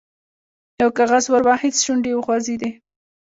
یو کاغذ ور واخیست، شونډې یې وخوځېدې.